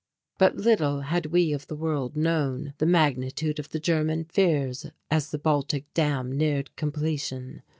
But little had we of the world known the magnitude of the German fears as the Baltic dam neared completion.